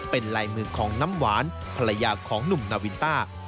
เป็นลายมือของน้ำหวานภรรยาของหนุ่มนาวินต้า